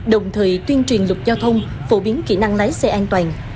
đồng thời tuyên truyền lục giao thông phổ biến kỹ năng lái xe an toàn